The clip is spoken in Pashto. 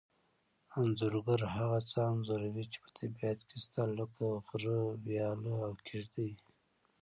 انځورګر هغه څه انځوروي چې په طبیعت کې شته لکه غره ویاله او کېږدۍ